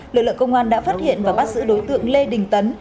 lực lượng công an đã phát hiện và bắt giữ đối tượng lê đình tấn